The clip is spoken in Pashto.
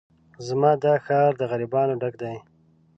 زما دا ښار د غريبانو ډک دی